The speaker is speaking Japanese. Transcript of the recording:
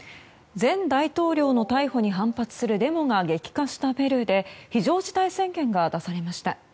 前大統領の逮捕に反発するデモが激化したペルーで非常事態宣言が出されました。